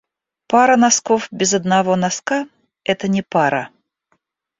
Пара носков без одного носка это не пара.